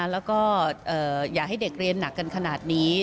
แล้วก็อย่าให้เด็กเรียนหนักกันขนาดนี้